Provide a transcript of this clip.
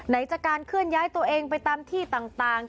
จากการเคลื่อนย้ายตัวเองไปตามที่ต่าง